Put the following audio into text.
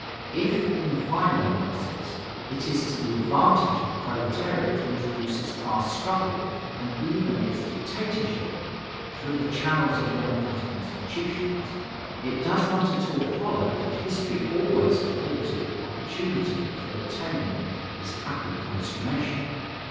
If, in the final analysis, it is to the advantage of the proletariat to introduce its class struggle and even its dictatorship, through the channels of democratic institutions, it does not at all follow that history always affords it the opportunity for attaining this happy consummation.